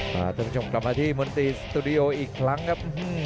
พาท่านผู้ชมกลับมาที่มนตรีสตูดิโออีกครั้งครับ